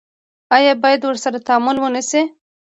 آیا باید ورسره تعامل ونشي؟